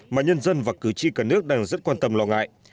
mà nhân dân và cử tri cả nước đang rất quan tâm lo ngại